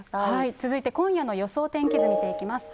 続いて今夜の予想天気図見ていきます。